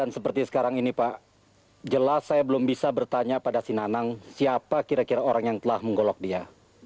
seperti sekarang ini pak jelas saya belum bisa bertanya pada si nanang siapa kira kira orang yang telah menggolok dia